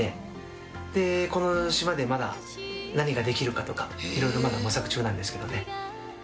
この島でまだ何ができるかとかいろいろまだ模索中なんですけどね。